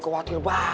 ternyata melinya tidur